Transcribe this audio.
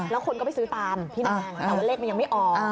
แล้วคนก็ไปซื้อตามพี่นางแต่ว่าเลขมันยังไม่ออก